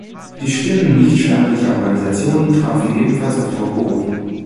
Die Stimmen nichtstaatlicher Organisationen trafen ebenfalls auf taube Ohren.